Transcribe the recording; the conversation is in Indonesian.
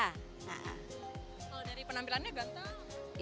kalau dari penampilannya ganteng